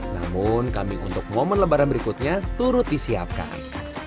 namun kambing untuk momen lebaran berikutnya turut disiapkan